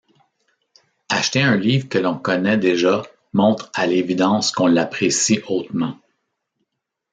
Acheter un livre que l’on connaît déjà montre à l’évidence qu’on l’apprécie hautement.